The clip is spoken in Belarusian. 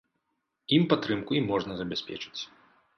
Ім падтрымку і можна забяспечыць.